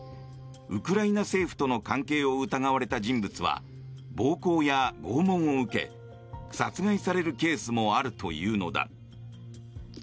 ウクライナ政府との関係を疑われた人物は暴行や拷問を受け殺害されるケースもあるというのだ。